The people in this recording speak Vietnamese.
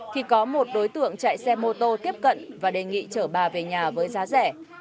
thì có một đối tượng chạy xe mô tô tiếp cận và đề nghị chở bà về nhà với giá rẻ